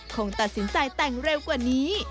คงตัดสินใจแต่งเร็วกว่านี้